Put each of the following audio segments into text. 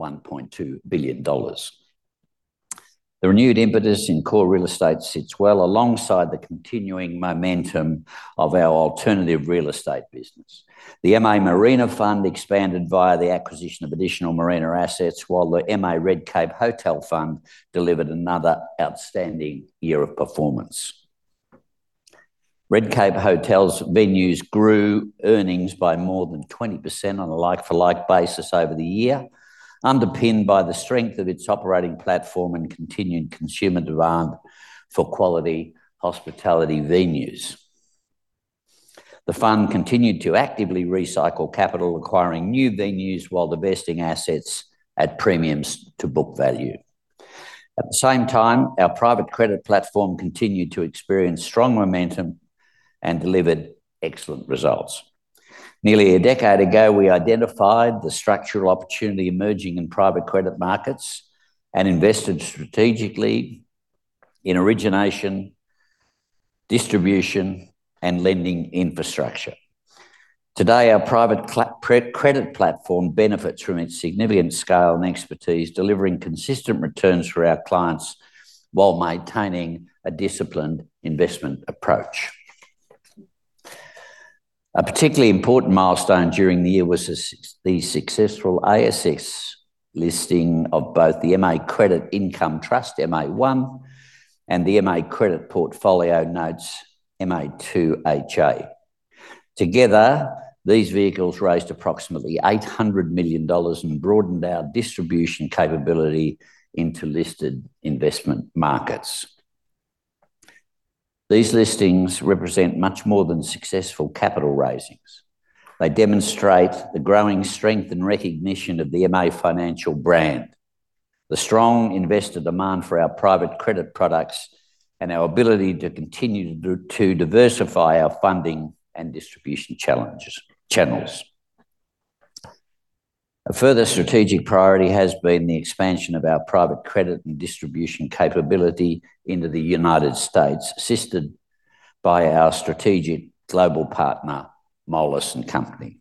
AUD 1.2 billion. The renewed impetus in core real estate sits well alongside the continuing momentum of our alternative real estate business. The MA Marina Fund expanded via the acquisition of additional marina assets, while the MA Redcape Hotel Fund delivered another outstanding year of performance. Redcape Hotels venues grew earnings by more than 20% on a like-for-like basis over the year, underpinned by the strength of its operating platform and continued consumer demand for quality hospitality venues. The fund continued to actively recycle capital, acquiring new venues while divesting assets at premiums to book value. At the same time, our private credit platform continued to experience strong momentum and delivered excellent results. Nearly a decade ago, we identified the structural opportunity emerging in private credit markets and invested strategically in origination, distribution, and lending infrastructure. Today, our private credit platform benefits from its significant scale and expertise, delivering consistent returns for our clients while maintaining a disciplined investment approach. A particularly important milestone during the year was the successful ASX listing of both the MA Credit Income Trust, MA1, and the MA Credit Portfolio Notes, MA2HA. Together, these vehicles raised approximately 800 million dollars and broadened our distribution capability into listed investment markets. These listings represent much more than successful capital raisings. They demonstrate the growing strength and recognition of the MA Financial brand, the strong investor demand for our private credit products, and our ability to continue to diversify our funding and distribution channels. A further strategic priority has been the expansion of our private credit and distribution capability into the United States, assisted by our strategic global partner, Moelis & Company.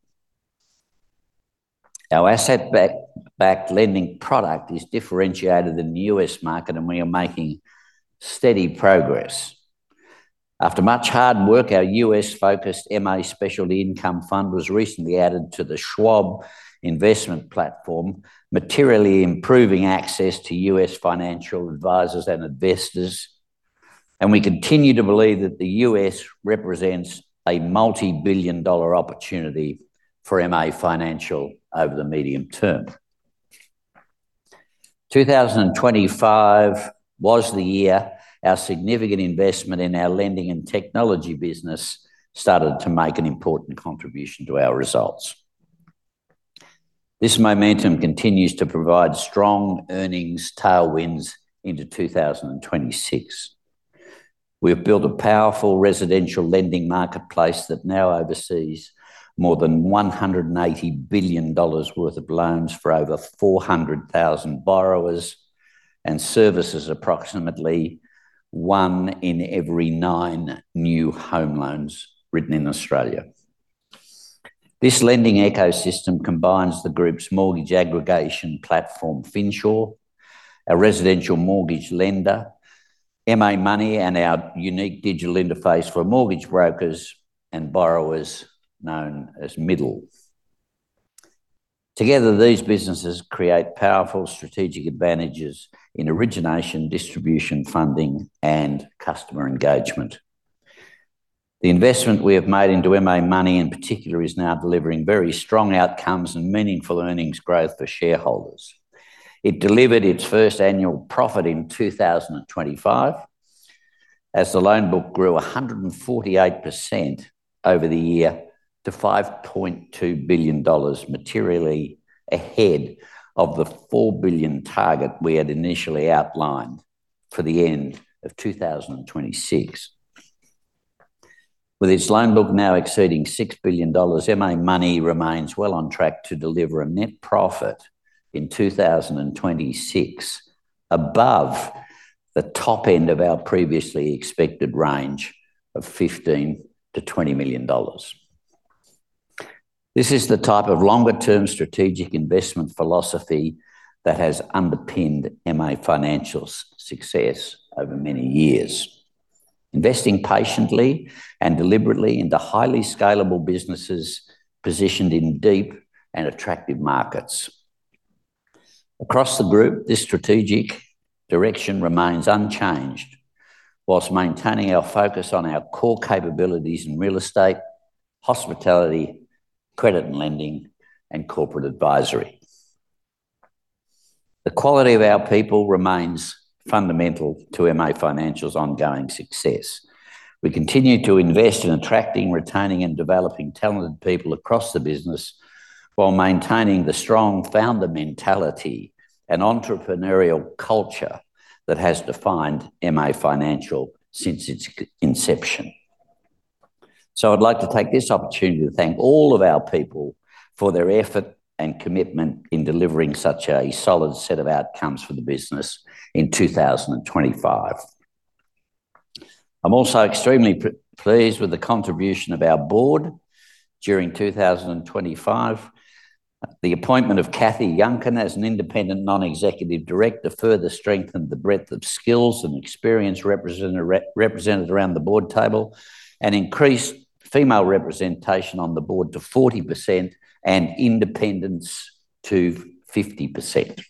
Our asset-backed lending product is differentiated in the U.S. market, and we are making steady progress. After much hard work, our U.S.-focused MA Specialty Credit Income Fund was recently added to the Schwab investment platform, materially improving access to U.S. financial advisors and investors, and we continue to believe that the U.S. represents a multibillion-dollar opportunity for MA Financial over the medium term. 2025 was the year our significant investment in our lending and technology business started to make an important contribution to our results. This momentum continues to provide strong earnings tailwinds into 2026. We have built a powerful residential lending marketplace that now oversees more than 180 billion dollars worth of loans for over 400,000 borrowers and services approximately one in every nine new home loans written in Australia. This lending ecosystem combines the group's mortgage aggregation platform, Finsure, a residential mortgage lender, MA Money, and our unique digital interface for mortgage brokers and borrowers known as Middle. Together, these businesses create powerful strategic advantages in origination, distribution, funding, and customer engagement. The investment we have made into MA Money, in particular, is now delivering very strong outcomes and meaningful earnings growth for shareholders. It delivered its first annual profit in 2025 as the loan book grew 148% over the year to 5.2 billion dollars, materially ahead of the 4 billion target we had initially outlined for the end of 2026. With its loan book now exceeding 6 billion dollars, MA Money remains well on track to deliver a net profit in 2026 above the top end of our previously expected range of 15 million-20 million dollars. This is the type of longer-term strategic investment philosophy that has underpinned MA Financial's success over many years, investing patiently and deliberately into highly scalable businesses positioned in deep and attractive markets. Across the group, this strategic direction remains unchanged while maintaining our focus on our core capabilities in real estate, hospitality, credit and lending, and corporate advisory. The quality of our people remains fundamental to MA Financial's ongoing success. We continue to invest in attracting, retaining, and developing talented people across the business while maintaining the strong founder mentality and entrepreneurial culture that has defined MA Financial since its inception. I'd like to take this opportunity to thank all of our people for their effort and commitment in delivering such a solid set of outcomes for the business in 2025. I'm also extremely pleased with the contribution of our board during 2025. The appointment of Cathy Yuncken as an independent non-executive director further strengthened the breadth of skills and experience represented around the board table and increased female representation on the board to 40% and independence to 50%.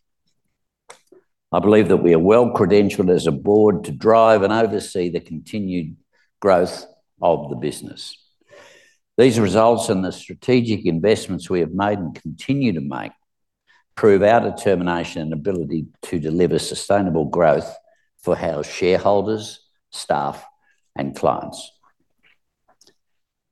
I believe that we are well-credentialed as a board to drive and oversee the continued growth of the business. These results and the strategic investments we have made and continue to make prove our determination and ability to deliver sustainable growth for our shareholders, staff, and clients.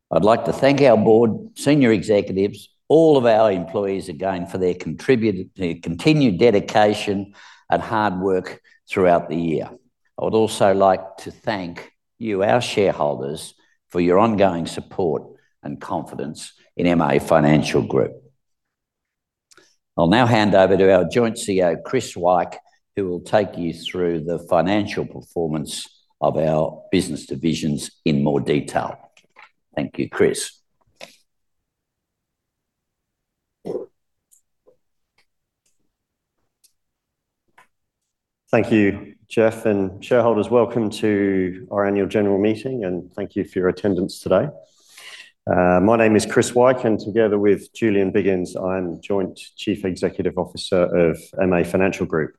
I'd like to thank our board, senior executives, all of our employees again for their continued dedication and hard work throughout the year. I would also like to thank you, our shareholders, for your ongoing support and confidence in MA Financial Group. I'll now hand over to our joint CEO, Chris Wyke, who will take you through the financial performance of our business divisions in more detail. Thank you, Chris. Thank you, Jeff. Shareholders, welcome to our annual general meeting and thank you for your attendance today. My name is Chris Wyke, and together with Julian Biggins, I am Joint Chief Executive Officer of MA Financial Group.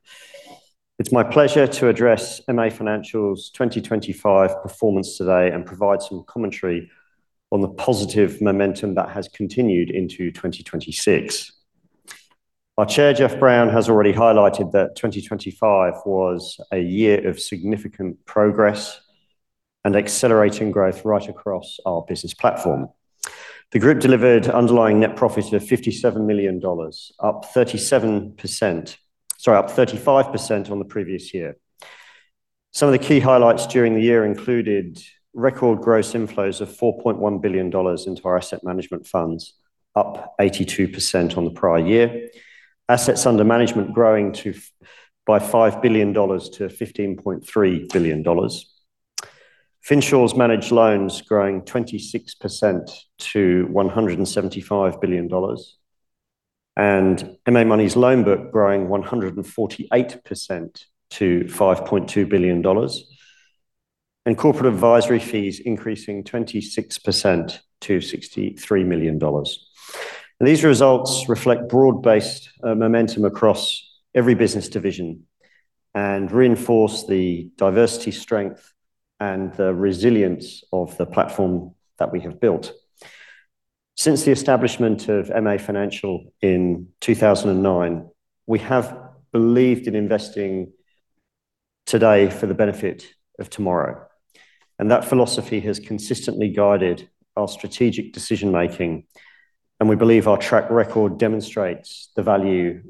It is my pleasure to address MA Financial's 2025 performance today and provide some commentary on the positive momentum that has continued into 2026. Our chair, Jeffrey Browne, has already highlighted that 2025 was a year of significant progress and accelerating growth right across our business platform. The group delivered underlying net profit of 57 million dollars, up 37%, sorry, up 35% on the previous year. Some of the key highlights during the year included record gross inflows of 4.1 billion dollars into our asset management funds, up 82% on the prior year. Assets under management growing by 5 billion dollars to 15.3 billion dollars. Finsure's managed loans growing 26% to AUD 175 billion. MA Money's loan book growing 148% to 5.2 billion dollars. Corporate advisory fees increasing 26% to 63 million dollars. These results reflect broad-based momentum across every business division and reinforce the diversity, strength, and the resilience of the platform that we have built. Since the establishment of MA Financial in 2009, we have believed in investing today for the benefit of tomorrow, and that philosophy has consistently guided our strategic decision-making, and we believe our track record demonstrates the value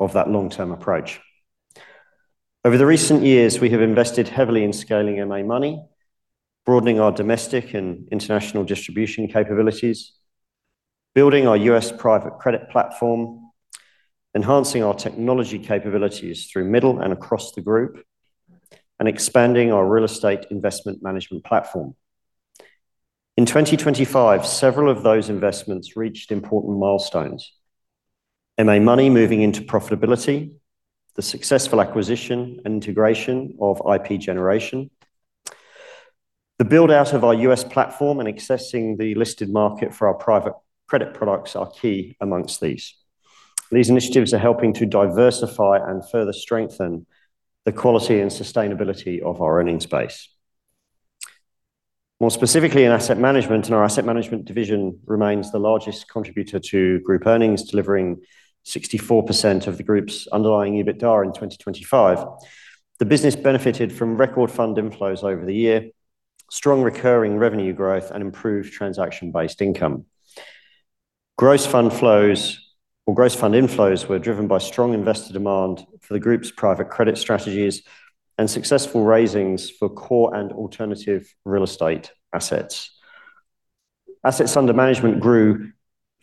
of that long-term approach. Over the recent years, we have invested heavily in scaling MA Money, broadening our domestic and international distribution capabilities, building our U.S. private credit platform, enhancing our technology capabilities through Middle and across the group, and expanding our real estate investment management platform. In 2025, several of those investments reached important milestones. MA Money moving into profitability, the successful acquisition and integration of IP Generation, the build-out of our U.S. platform, and accessing the listed market for our private credit products are key amongst these. These initiatives are helping to diversify and further strengthen the quality and sustainability of our earnings base. Our asset management division remains the largest contributor to group earnings, delivering 64% of the group's underlying EBITDA in 2025. The business benefited from record fund inflows over the year, strong recurring revenue growth, and improved transaction-based income. Gross fund flows or gross fund inflows were driven by strong investor demand for the group's private credit strategies and successful raisings for core and alternative real estate assets. Assets under management grew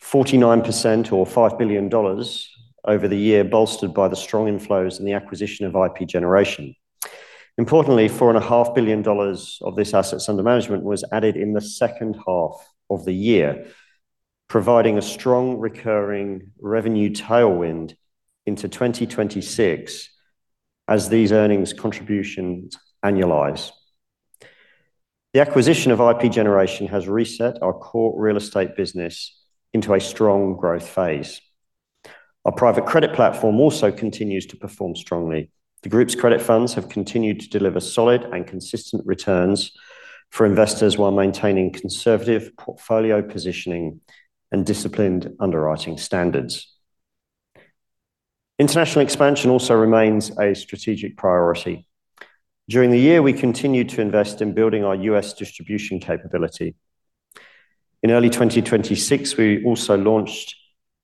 49% or 5 billion dollars over the year, bolstered by the strong inflows and the acquisition of IP Generation. Importantly, 4.5 billion dollars of these assets under management was added in the second half of the year, providing a strong recurring revenue tailwind into 2026 as these earnings contributions annualize. The acquisition of IP Generation has reset our core real estate business into a strong growth phase. Our private credit platform also continues to perform strongly. The group's credit funds have continued to deliver solid and consistent returns for investors while maintaining conservative portfolio positioning and disciplined underwriting standards. International expansion also remains a strategic priority. During the year, we continued to invest in building our U.S. distribution capability. In early 2026, we also launched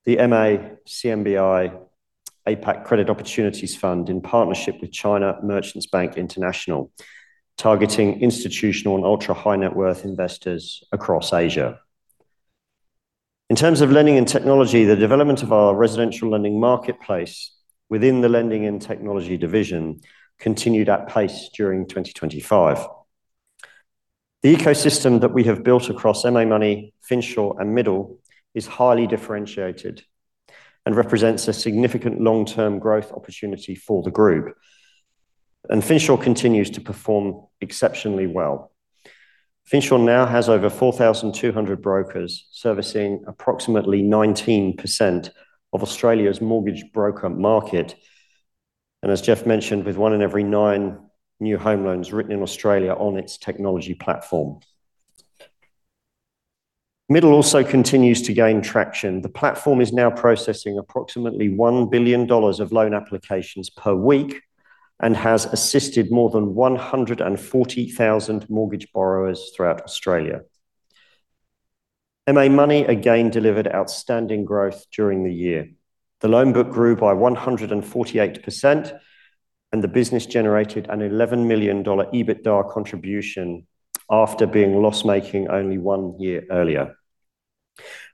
the MA CMBI APAC Credit Opportunities Fund in partnership with China Merchants Bank International, targeting institutional and ultra-high-net-worth investors across Asia. In terms of lending and technology, the development of our residential lending marketplace within the lending and technology division continued at pace during 2025. The ecosystem that we have built across MA Money, Finsure, and Middle is highly differentiated and represents a significant long-term growth opportunity for the group. Finsure continues to perform exceptionally well. Finsure now has over 4,200 brokers servicing approximately 19% of Australia's mortgage broker market, as Jeff mentioned, with one in every nine new home loans written in Australia on its technology platform. Middle also continues to gain traction. The platform is now processing approximately 1 billion dollars of loan applications per week and has assisted more than 140,000 mortgage borrowers throughout Australia. MA Money again delivered outstanding growth during the year. The loan book grew by 148%, and the business generated an 11 million dollar EBITDA contribution after being loss-making only one year earlier.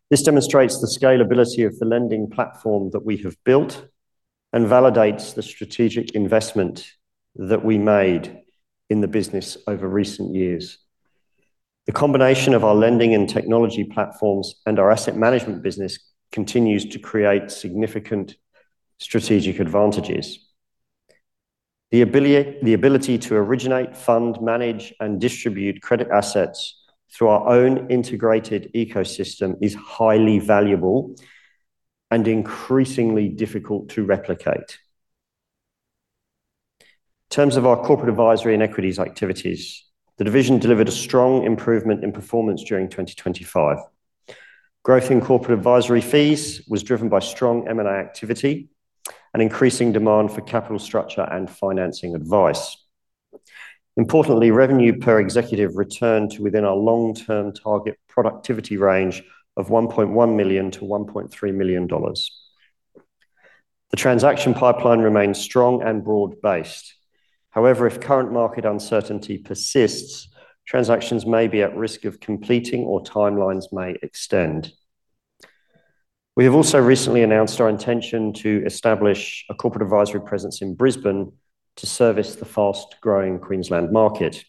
This demonstrates the scalability of the lending platform that we have built and validates the strategic investment that we made in the business over recent years. The combination of our lending and technology platforms and our asset management business continues to create significant strategic advantages. The ability to originate, fund, manage, and distribute credit assets through our own integrated ecosystem is highly valuable and increasingly difficult to replicate. In terms of our corporate advisory and equities activities, the division delivered a strong improvement in performance during 2025. Growth in corporate advisory fees was driven by strong M&A activity and increasing demand for capital structure and financing advice. Importantly, revenue per executive returned to within our long-term target productivity range of 1.1 million-1.3 million dollars. The transaction pipeline remains strong and broad-based. If current market uncertainty persists, transactions may be at risk of completing or timelines may extend. We have also recently announced our intention to establish a corporate advisory presence in Brisbane to service the fast-growing Queensland market.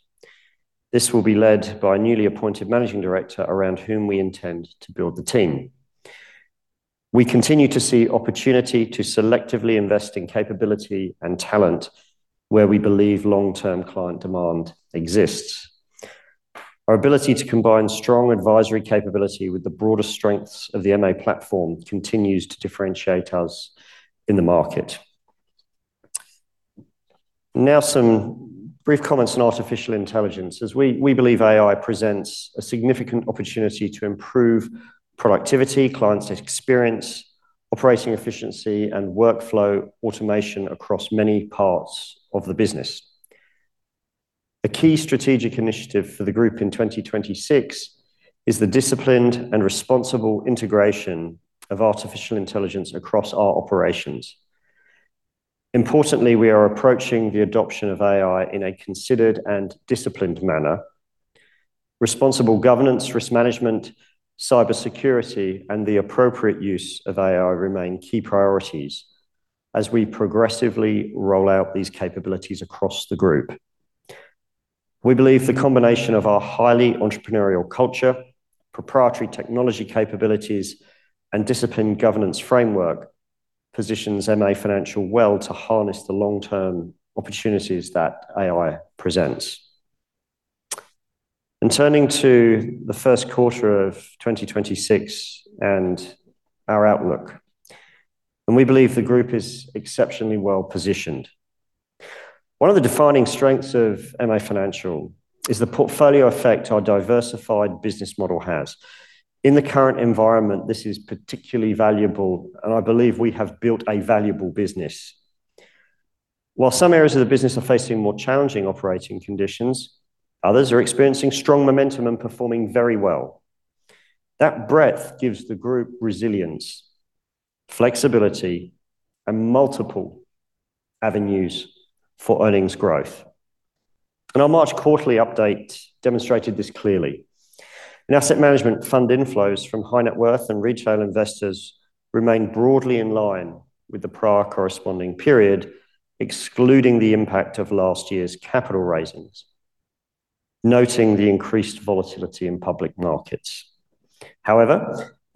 This will be led by a newly appointed managing director around whom we intend to build the team. We continue to see opportunity to selectively invest in capability and talent where we believe long-term client demand exists. Our ability to combine strong advisory capability with the broader strengths of the MA platform continues to differentiate us in the market. Now, some brief comments on artificial intelligence, as we believe AI presents a significant opportunity to improve productivity, client experience, operating efficiency, and workflow automation across many parts of the business. A key strategic initiative for the group in 2026 is the disciplined and responsible integration of artificial intelligence across our operations. Importantly, we are approaching the adoption of AI in a considered and disciplined manner. Responsible governance, risk management, cybersecurity, and the appropriate use of AI remain key priorities as we progressively roll out these capabilities across the group. We believe the combination of our highly entrepreneurial culture, proprietary technology capabilities, and disciplined governance framework positions MA Financial well to harness the long-term opportunities that AI presents. Turning to the first quarter of 2026 and our outlook, we believe the group is exceptionally well-positioned. One of the defining strengths of MA Financial is the portfolio effect our diversified business model has. In the current environment, this is particularly valuable, and I believe we have built a valuable business. While some areas of the business are facing more challenging operating conditions, others are experiencing strong momentum and performing very well. That breadth gives the group resilience, flexibility, and multiple avenues for earnings growth. Our March quarterly update demonstrated this clearly. In asset management, fund inflows from high net worth and retail investors remained broadly in line with the prior corresponding period, excluding the impact of last year's capital raisings, noting the increased volatility in public markets.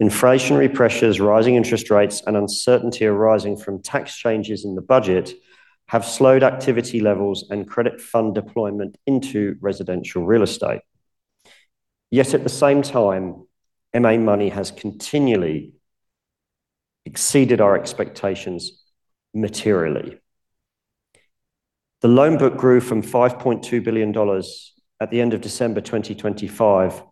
Inflationary pressures, rising interest rates, and uncertainty arising from tax changes in the budget have slowed activity levels and credit fund deployment into residential real estate. MA Money has continually exceeded our expectations materially. The loan book grew from 5.2 billion dollars at the end of December 2025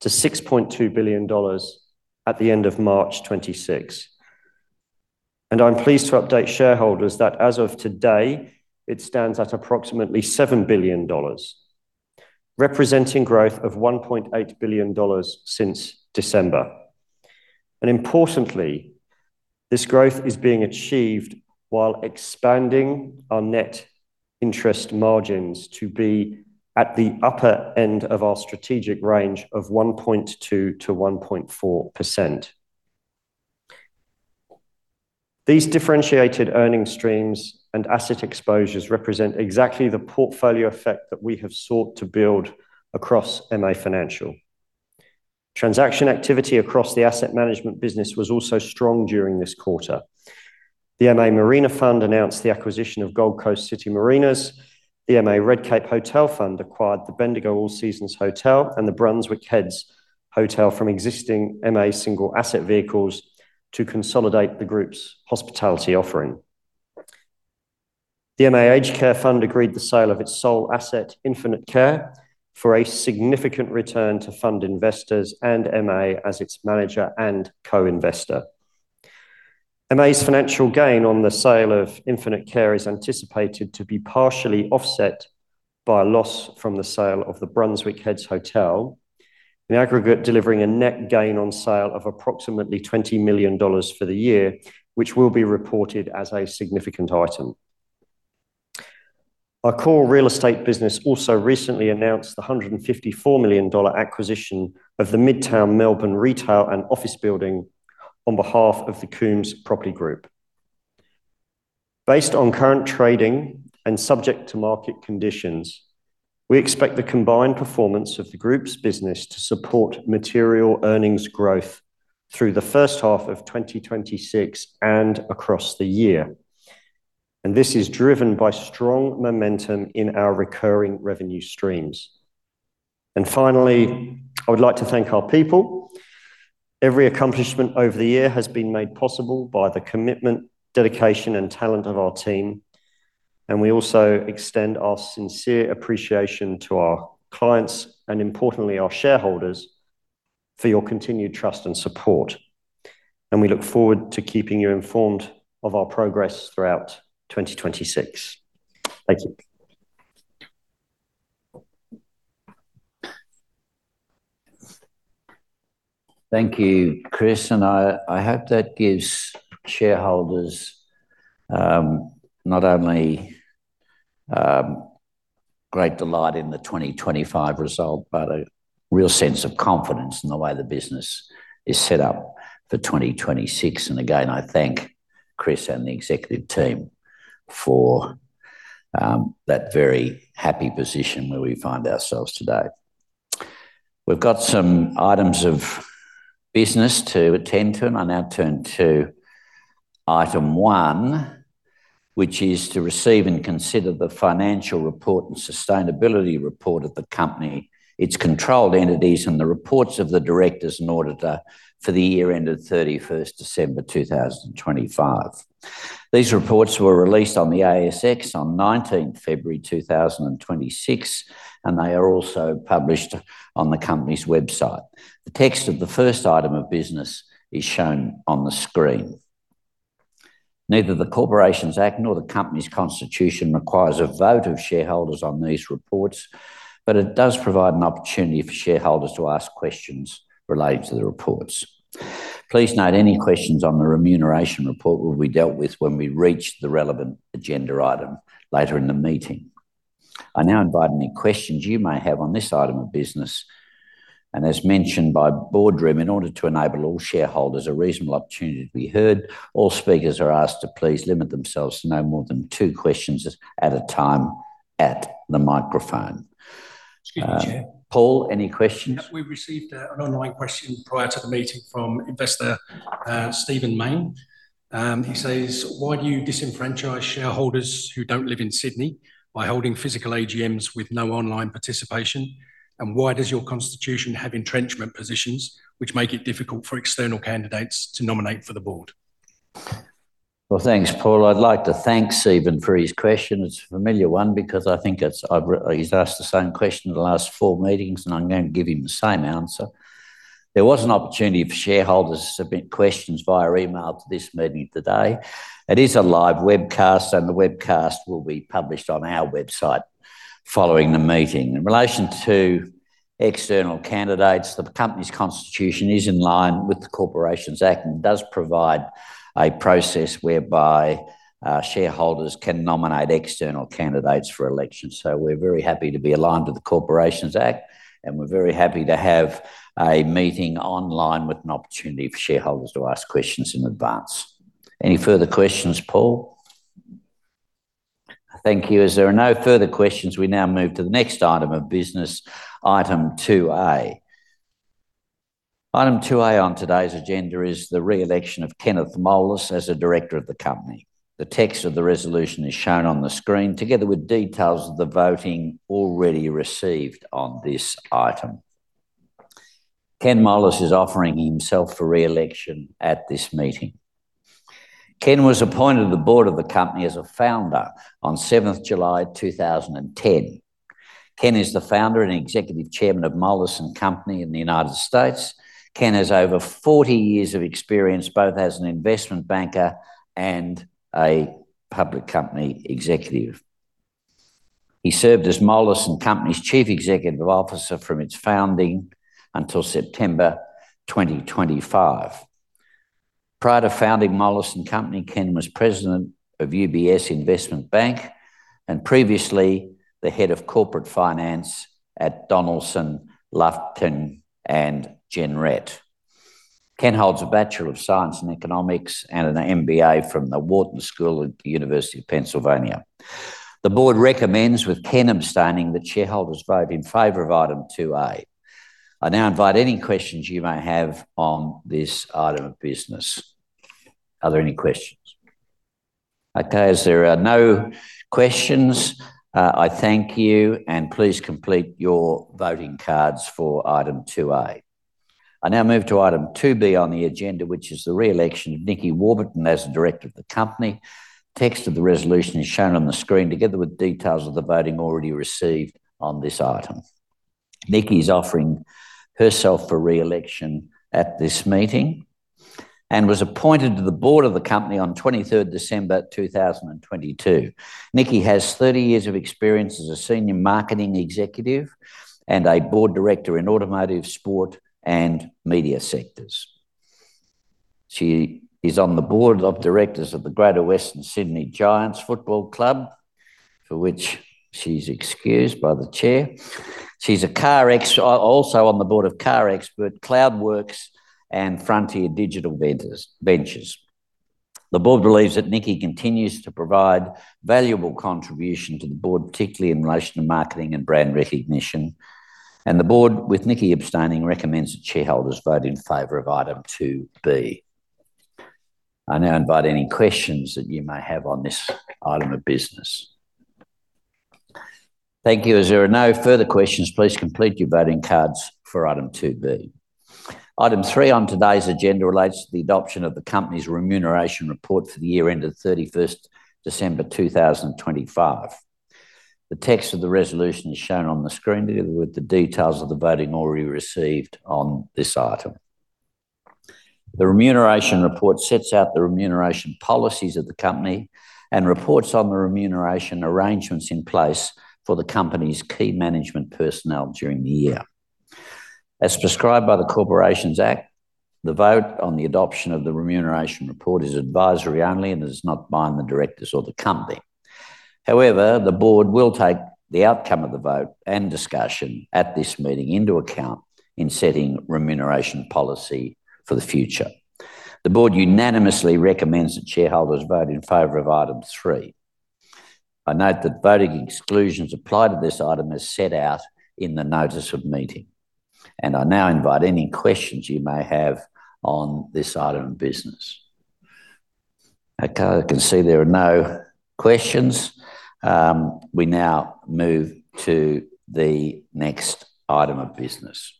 to 6.2 billion dollars at the end of March 2026. I'm pleased to update shareholders that as of today, it stands at approximately 7 billion dollars, representing growth of 1.8 billion dollars since December. Importantly, this growth is being achieved while expanding our net interest margins to be at the upper end of our strategic range of 1.2%-1.4%. These differentiated earnings streams and asset exposures represent exactly the portfolio effect that we have sought to build across MA Financial. Transaction activity across the asset management business was also strong during this quarter. The MA Marina Fund announced the acquisition of Gold Coast City Marina & Shipyard. The MA Redcape Hotel Fund acquired the Bendigo All Seasons Resort Hotel and the Hotel Brunswick from existing MA single asset vehicles to consolidate the group's hospitality offering. The MA Aged Care Fund agreed the sale of its sole asset, Infinite Care, for a significant return to fund investors and MA as its manager and co-investor. MA's financial gain on the sale of Infinite Care is anticipated to be partially offset by a loss from the sale of the Hotel Brunswick. In aggregate, delivering a net gain on sale of approximately 20 million dollars for the year, which will be reported as a significant item. Our core real estate business also recently announced the 154 million dollar acquisition of the Midtown Melbourne Retail and Office Building on behalf of the Coombes Property Group. Based on current trading and subject to market conditions, we expect the combined performance of the group's business to support material earnings growth through the first half of 2026 and across the year. This is driven by strong momentum in our recurring revenue streams. Finally, I would like to thank our people. Every accomplishment over the year has been made possible by the commitment, dedication, and talent of our team, and we also extend our sincere appreciation to our clients and importantly, our shareholders, for your continued trust and support. We look forward to keeping you informed of our progress throughout 2026. Thank you. Thank you, Chris. I hope that gives shareholders not only great delight in the 2025 result, but a real sense of confidence in the way the business is set up for 2026. Again, I thank Chris and the executive team for that very happy position where we find ourselves today. We've got some items of business to attend to, and I now turn to item one, which is to receive and consider the financial report and sustainability report of the company, its controlled entities, and the reports of the directors and auditor for the year ended 31st December 2025. These reports were released on the ASX on 19 February 2026, and they are also published on the company's website. The text of the first item of business is shown on the screen. Neither the Corporations Act nor the company's constitution requires a vote of shareholders on these reports, but it does provide an opportunity for shareholders to ask questions relating to the reports. Please note any questions on the remuneration report will be dealt with when we reach the relevant agenda item later in the meeting. I now invite any questions you may have on this item of business, and as mentioned by Boardroom, in order to enable all shareholders a reasonable opportunity to be heard, all speakers are asked to please limit themselves to no more than two questions at a time at the microphone. Excuse me, Chair. Paul, any questions? Yeah, we've received an online question prior to the meeting from investor Stephen Mayne. He says, "Why do you disenfranchise shareholders who don't live in Sydney by holding physical AGMs with no online participation? Why does your constitution have entrenchment positions which make it difficult for external candidates to nominate for the board? Well, thanks, Paul. I'd like to thank Stephen for his question. It's a familiar one because I think he's asked the same question at the last four meetings, and I'm going to give him the same answer. There was an opportunity for shareholders to submit questions via email to this meeting today. It is a live webcast, and the webcast will be published on our website following the meeting. In relation to external candidates, the company's constitution is in line with the Corporations Act and does provide a process whereby shareholders can nominate external candidates for election. We're very happy to be aligned with the Corporations Act, and we're very happy to have a meeting online with an opportunity for shareholders to ask questions in advance. Any further questions, Paul? Thank you. There are no further questions, we now move to the next item of business, item 2A. Item 2A on today's agenda is the re-election of Kenneth Moelis as a director of the company. The text of the resolution is shown on the screen, together with details of the voting already received on this item. Ken Moelis is offering himself for re-election at this meeting. Ken was appointed to the board of the company as a founder on 7th July 2010. Ken is the founder and executive chairman of Moelis & Company in the United States. Ken has over 40 years of experience, both as an investment banker and a public company executive. He served as Moelis & Company's Chief Executive Officer from its founding until September 2025. Prior to founding Moelis & Company, Ken was President of UBS Investment Bank, and previously the head of corporate finance at Donaldson, Lufkin & Jenrette. Ken holds a Bachelor of Science in Economics and an MBA from the Wharton School of the University of Pennsylvania. The board recommends, with Ken abstaining, that shareholders vote in favor of item 2A. I now invite any questions you may have on this item of business. Are there any questions? Okay, as there are no questions, I thank you, and please complete your voting cards for item 2A. I now move to item 2B on the agenda, which is the re-election of Nikki Warburton as a director of the company. Text of the resolution is shown on the screen, together with details of the voting already received on this item. Nikki is offering herself for re-election at this meeting and was appointed to the board of the company on 23rd December 2022. Nikki has 30 years of experience as a senior marketing executive and a board director in automotive, sport, and media sectors. She is on the board of directors of the Greater Western Sydney Giants Football Club, for which she's excused by the chair. She's also on the board of CarExpert, Cloudwerx, and Frontier Digital Ventures. The board believes that Nikki continues to provide valuable contribution to the board, particularly in relation to marketing and brand recognition. The board, with Nikki abstaining, recommends that shareholders vote in favor of item 2B. I now invite any questions that you may have on this item of business. Thank you. As there are no further questions, please complete your voting cards for item 2B. Item 3 on today's agenda relates to the adoption of the company's remuneration report for the year ended 31st December 2025. The text of the resolution is shown on the screen, together with the details of the voting already received on this item. The remuneration report sets out the remuneration policies of the company and reports on the remuneration arrangements in place for the company's key management personnel during the year. As prescribed by the Corporations Act, the vote on the adoption of the remuneration report is advisory only and does not bind the directors or the company. However, the board will take the outcome of the vote and discussion at this meeting into account in setting remuneration policy for the future. The board unanimously recommends that shareholders vote in favor of item three. I note that voting exclusions apply to this item as set out in the notice of meeting, and I now invite any questions you may have on this item of business. Okay, I can see there are no questions. We now move to the next item of business.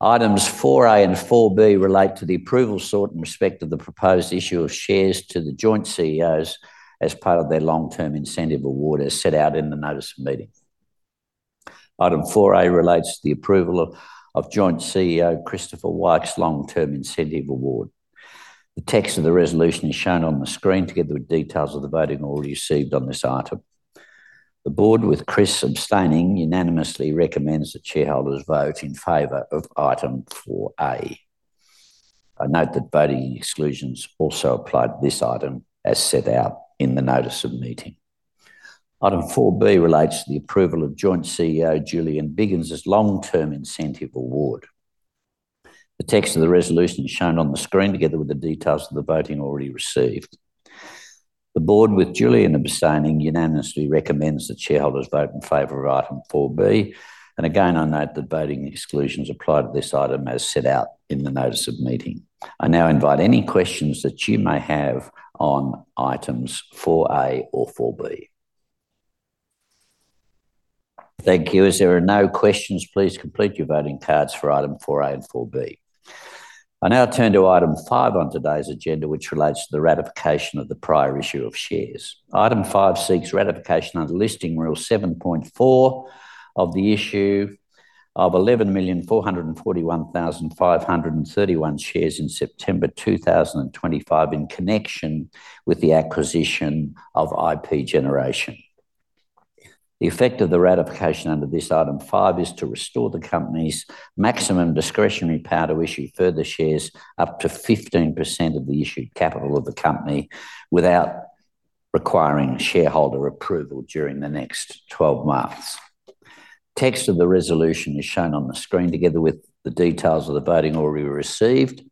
Items 4A and 4B relate to the approval sought in respect of the proposed issue of shares to the joint CEOs as part of their Long-Term Incentive Award, as set out in the Notice of Meeting. Item 4A relates to the approval of Joint CEO Christopher Wyke's Long-Term Incentive Award. The text of the resolution is shown on the screen, together with details of the voting already received on this item. The Board, with Chris abstaining, unanimously recommends that shareholders vote in favor of item 4A. I note that voting exclusions also apply to this item, as set out in the Notice of Meeting. Item 4B relates to the approval of Joint CEO Julian Biggins's Long-Term Incentive Award. The text of the resolution is shown on the screen, together with the details of the voting already received. The board, with Julian Biggins abstaining, unanimously recommends that shareholders vote in favor of item 4B. Again, I note that voting exclusions apply to this item as set out in the notice of meeting. I now invite any questions that you may have on items 4A or 4B. Thank you. As there are no questions, please complete your voting cards for item 4A and 4B. I now turn to item five on today's agenda, which relates to the ratification of the prior issue of shares. Item five seeks ratification under Listing Rule 7.4 of the issue of 11,441,531 shares in September 2025 in connection with the acquisition of IP Generation. The effect of the ratification under this item 5 is to restore the company's maximum discretionary power to issue further shares up to 15% of the issued capital of the company without requiring shareholder approval during the next 12 months. Text of the resolution is shown on the screen, together with the details of the voting already received.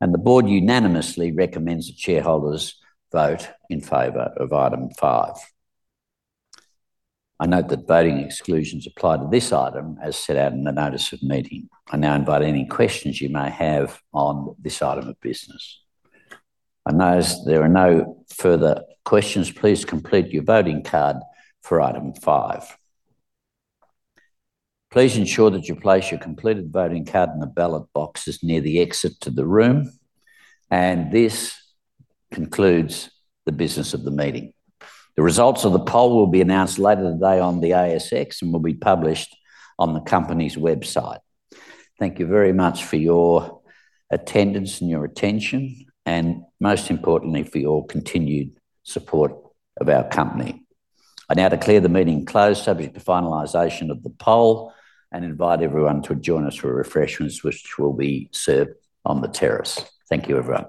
The board unanimously recommends that shareholders vote in favor of item 5. I note that voting exclusions apply to this item, as set out in the notice of meeting. I now invite any questions you may have on this item of business. I notice there are no further questions. Please complete your voting card for item 5. Please ensure that you place your completed voting card in the ballot boxes near the exit to the room. This concludes the business of the meeting. The results of the poll will be announced later today on the ASX and will be published on the company's website. Thank you very much for your attendance and your attention, and most importantly, for your continued support of our company. I now declare the meeting closed, subject to finalization of the poll and invite everyone to join us for refreshments, which will be served on the terrace. Thank you, everyone.